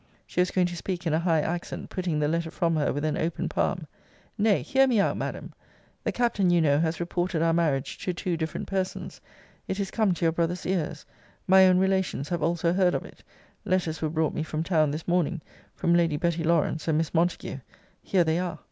She was going to speak in a high accent, putting the letter from her, with an open palm Nay, hear me out, Madam The Captain, you know, has reported our marriage to two different persons. It is come to your brother's ears. My own relations have also heard of it. Letters were brought me from town this morning, from Lady Betty Lawrance, and Miss Montague. Here they are.